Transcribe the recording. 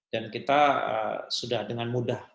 dan kita sudah dengan mudah